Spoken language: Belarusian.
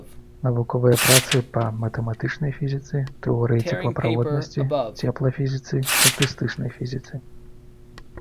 Навуковыя працы па матэматычнай фізіцы, тэорыі цеплаправоднасці, цеплафізіцы, статыстычнай фізіцы.